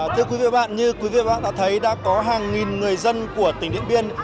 thưa quý vị và như quý vị và các bạn đã thấy đã có hàng nghìn người dân của tỉnh điện biên